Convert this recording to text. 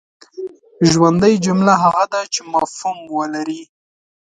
ژوندۍ جمله هغه ده چي مفهوم ولري.